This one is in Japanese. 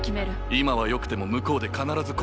今はよくても向こうで必ず後悔する。